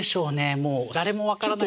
もう誰も分からない。